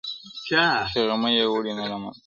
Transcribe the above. چي غمی یې وړﺉ نه را معلومېږي,